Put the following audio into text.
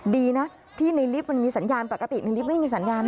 ดีนะที่ในลิฟต์มันมีสัญญาณปกติในลิฟต์ไม่มีสัญญาณนะ